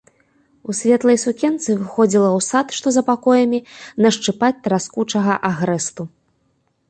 У светлай сукенцы выходзіла ў сад, што за пакоямі, нашчыпаць траскучага агрэсту.